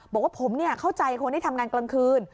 บอกว่าผมเข้าใจคนที่ทำงานกลางคืน